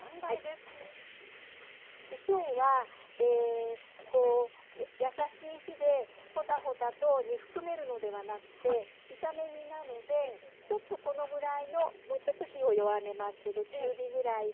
今日は優しい火でほたほたと煮含めるのではなくて炒め煮なのでちょっとこのぐらいのもうちょっと火を弱めますけど中火ぐらいで。